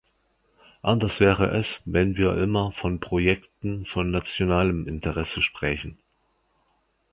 Anders wäre es, wenn wir immer von Projekten von nationalem Interesse sprächen.